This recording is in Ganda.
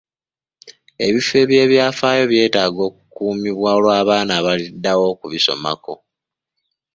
Ebifo eby'ebyafaayo byetaaga okukuumibwa olw'abaana abaliddawo okubisomako.